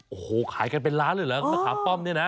โอ้โหขายกันเป็นล้านเลยเหรอมะขามป้อมเนี่ยนะ